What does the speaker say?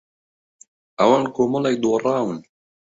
ئەوان کۆمەڵێک دۆڕاون.